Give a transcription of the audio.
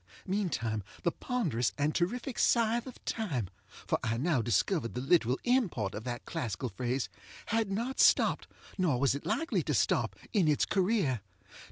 Meantime the ponderous and terrific Scythe of Time (for I now discovered the literal import of that classical phrase) had not stopped, nor was it likely to stop, in its career.